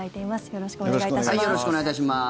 よろしくお願いします。